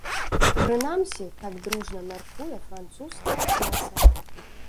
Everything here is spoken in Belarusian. Прынамсі так дружна мяркуе французская прэса.